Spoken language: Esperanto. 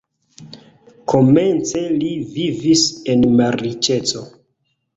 Komence li vivis en malriĉeco.